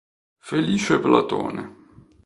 Felice Platone